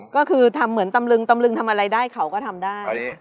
ก็คือทำเหมือนตำลึงตำลึงทำอะไรได้เขาก็ทำได้